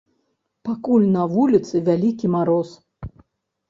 Пакуль на вуліцы вялікі мароз.